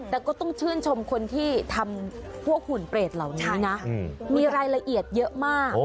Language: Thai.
แต่ก็ต้องชื่นชมคนที่ทำพวกหุ่นเปรตเหล่านี้นะมีรายละเอียดเยอะมาก